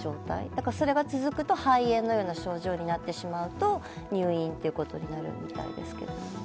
だからそれが続いて肺炎のような症状になってしまうと入院ということになるみたいですけどね。